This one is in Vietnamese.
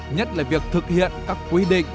nhất là việc thực hiện các quy định